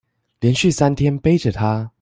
連續三天背著她